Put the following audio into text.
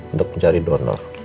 untuk mencari donor